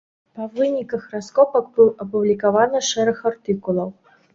Па выніках раскопак быў апублікаваны шэраг артыкулаў.